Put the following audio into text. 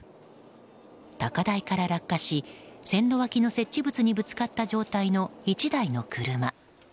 高台から落下し、線路脇の設置物にぶつかった状態の１台の車。